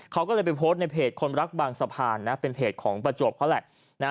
เขาก็เลยไปโพสต์ในเพจคนรักบางสะพานนะเป็นเพจของประจวบเขาแหละ